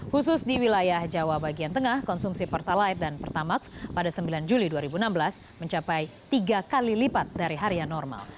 khusus di wilayah jawa bagian tengah konsumsi pertalite dan pertamax pada sembilan juli dua ribu enam belas mencapai tiga kali lipat dari harian normal